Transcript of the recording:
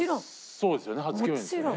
そうですよね初共演ですよね。